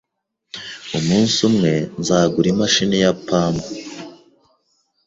Umunsi umwe nzagura imashini ya pamba.